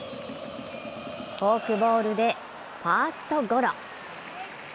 フォークボールでファーストゴロ。